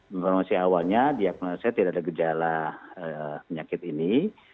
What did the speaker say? informasi awalnya diagnosa tidak ada gejala penyakit ini